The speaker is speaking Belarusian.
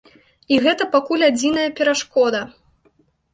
І гэта пакуль адзіная перашкода.